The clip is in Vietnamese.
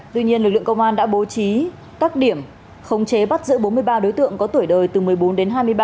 tuy nhiên lực lượng công an đã bố trí các điểm khống chế bắt giữ bốn mươi ba đối tượng có tuổi đời từ một mươi bốn đến hai mươi ba